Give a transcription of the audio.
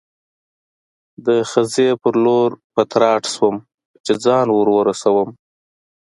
د خزې په لور په تراټ شوم، چې ځان ور ورسوم.